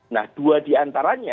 nah dua di antaranya